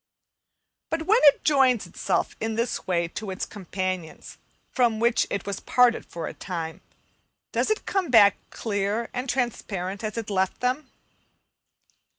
But when it joins itself in this way to its companions, from whom it was parted for a time, does it come back clear and transparent as it left them?